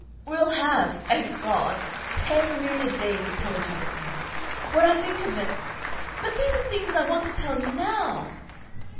"We'll have, thank God! ten myriad days to tell each other things. When I think of it " "But these are things I want to tell you now!"